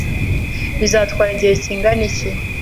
Bizatwara igihe kingana iki?